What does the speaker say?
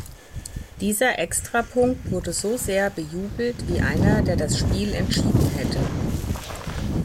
Dieser Extrapunkt wurde so sehr bejubelt wie einer, der das Spiel entschieden hätte.